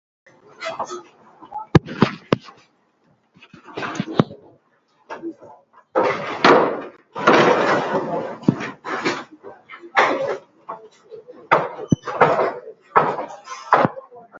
It's not a bad idea in its way.